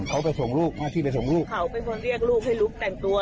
เขาไปส่งลูกมาที่ไปส่งลูกเขาเป็นคนเรียกลูกให้ลูกแต่งตัว